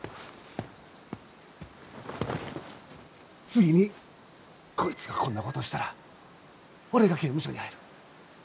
次にこいつがこんなことしたら俺が刑務所に入る。